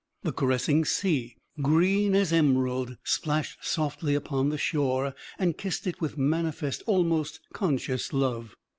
The caressing sea, green as emerald, splashed softly upon the shore and kissed it with manifest, almost conscious love.